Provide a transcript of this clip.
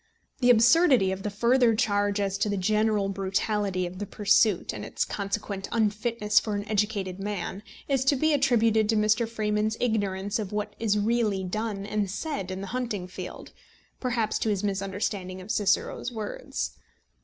The absurdity of the further charge as to the general brutality of the pursuit, and its consequent unfitness for an educated man, is to be attributed to Mr. Freeman's ignorance of what is really done and said in the hunting field, perhaps to his misunderstanding of Cicero's words.